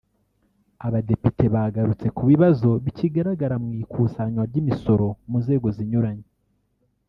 Abadepite bagarutse ku bibazo bikigaragara mu ikusanywa ry’imisoro mu nzego zinyuranye